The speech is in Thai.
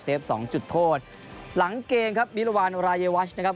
สองจุดโทษหลังเกมครับมิรวรรณรายวัชนะครับ